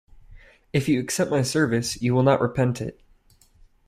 If you accept my service, you will not repent it.